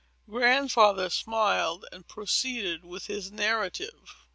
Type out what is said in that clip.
Grandfather smiled, and proceeded with his narrative.